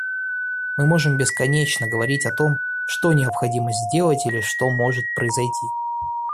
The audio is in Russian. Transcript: Мы можем бесконечно говорить о том, «что необходимо сделать» или «что может произойти».